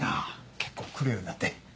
結構来るようになって。